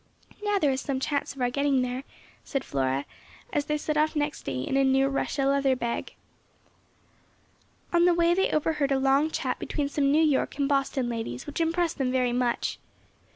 "Now there is some chance of our getting there," said Flora, as they set off next day in a new Russia leather bag. On the way they overheard a long chat between some New York and Boston ladies which impressed them very much.